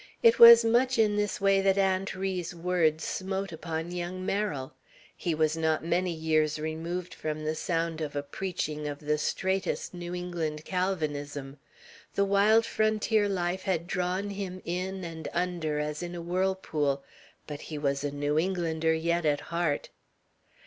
It was much in this way that Aunt Ri's words smote upon young Merrill. He was not many years removed from the sound of a preaching of the straitest New England Calvinism. The wild frontier life had drawn him in and under, as in a whirlpool; but he was New Englander yet at heart.